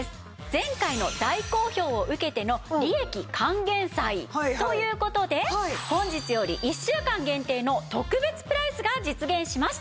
前回の大好評を受けての利益還元祭という事で本日より１週間限定の特別プライスが実現しました！